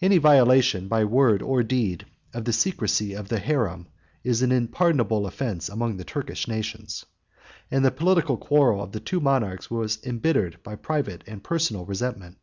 30 Any violation by word or deed of the secrecy of the harem is an unpardonable offence among the Turkish nations; 31 and the political quarrel of the two monarchs was imbittered by private and personal resentment.